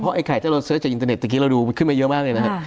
เพราะไอ้ไข่ถ้าเราเสิร์ชจากอินเทอร์เน็ตตะกี้เราดูมันขึ้นมาเยอะมากเลยนะครับอ่า